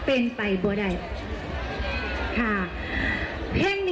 เอาหรอ